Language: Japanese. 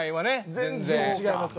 全然違います